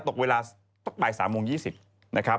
ตกเวลาตั้งแต่๓๒๐นะครับ